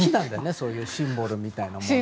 そういうシンボルみたいなもの。